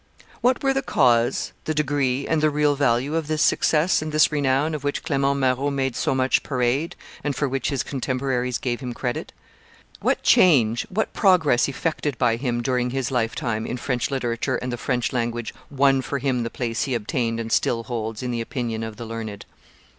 What were the cause, the degree, and the real value of this success and this renown of which Clement Marot made so much parade, and for which his contemporaries gave him credit? What change, what progress effected by him, during his lifetime, in French literature and the French language won for him the place he obtained and still holds in the opinion of the learned?